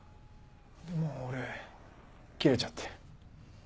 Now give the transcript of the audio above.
もう俺キレちゃって。